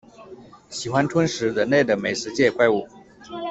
喜欢吞噬人类的美食界怪物。